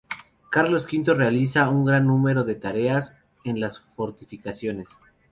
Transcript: Carlos V realiza un gran número de tareas en las fortificaciones.